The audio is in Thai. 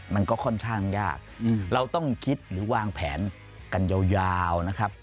มันก็ค่อนข้างยากเราต้องคิดหรือวางแผนกันยาวนะครับ